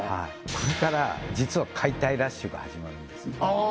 これから実は解体ラッシュが始まるんですああ